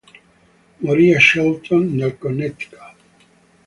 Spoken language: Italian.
Morì a Shelton, nel Connecticut.